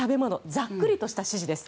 ざっくりとした指示です。